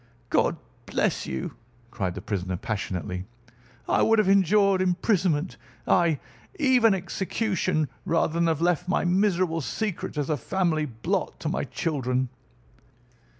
"God bless you!" cried the prisoner passionately. "I would have endured imprisonment, ay, even execution, rather than have left my miserable secret as a family blot to my children.